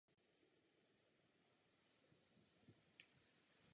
Jeho otcem je známý český spisovatel a básník Jiří Žáček.